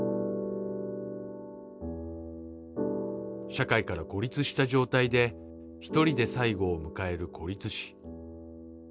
社会から孤立した状態で１人で最後を迎える孤立死。